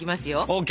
ＯＫ！